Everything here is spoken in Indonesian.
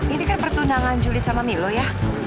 ini kan pertunangan juli sama milo ya